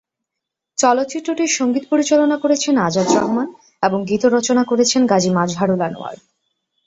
চলচ্চিত্রটির সঙ্গীত পরিচালনা করেছেন আজাদ রহমান এবং গীত রচনা করেছেন গাজী মাজহারুল আনোয়ার।